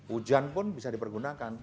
hujan pun bisa dipergunakan